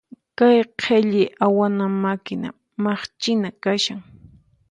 Kay qhilli awana makina maqchina kashan.